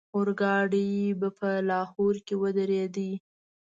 اورګاډی به په لاهور کې ودرېدو.